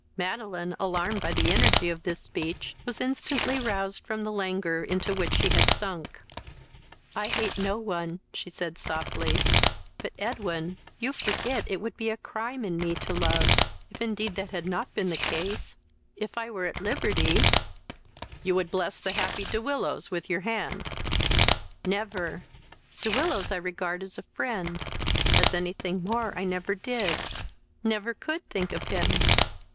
Madeline, alarmed by the energy of this speech, was instantly roused from the languor into which she had sunk. "I hate no one, (said she softly;) but Edwin, you forget it would be a crime in me to love. If, indeed, that had not been the case, if I were at liberty " "You would bless the happy De Willows with your hand." "Never! De Willows I regard as a friend: as any thing more I never did, never could think of him.